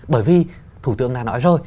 bởi vì thủ tượng đã nói rồi